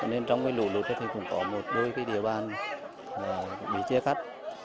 nên trong lũ lụt cũng có một đôi địa bàn bị chia cắt